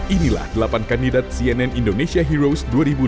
inilah delapan kandidat cnn indonesia heroes dua ribu enam belas